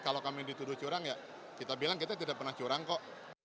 kalau kami dituduh curang ya kita bilang kita tidak pernah curang kok